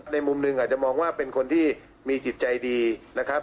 มุมหนึ่งอาจจะมองว่าเป็นคนที่มีจิตใจดีนะครับ